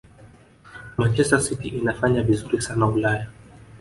manchester city inafanya vizuri sana ulaya